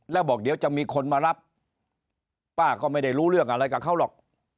แล้วบอกเดี๋ยวจะมีคนมารับป้าก็ไม่ได้รู้เรื่องอะไรกับเขาหรอก